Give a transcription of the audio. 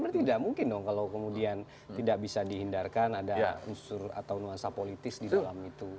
berarti tidak mungkin dong kalau kemudian tidak bisa dihindarkan ada unsur atau nuansa politis di dalam itu